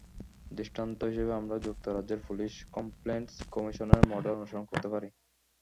দৃষ্টান্ত হিসেবে আমরা যুক্তরাজ্যের পুলিশ কমপ্লেইন্টস কমিশনের মডেল অনুসরণ করতে পারি।